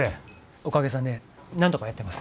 おかげさんでなんとかやってます。